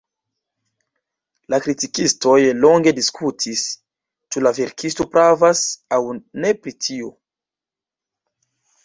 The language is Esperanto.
La kritikistoj longe diskutis, ĉu la verkisto pravas aŭ ne pri tio.